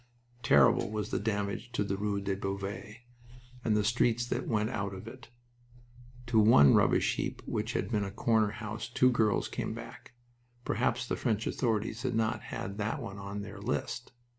Terrible was the damage up the rue de Beauvais and the streets that went out of it. To one rubbish heap which had been a corner house two girls came back. Perhaps the French authorities had not had that one on their list.